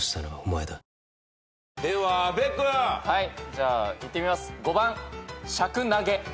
じゃあいってみます。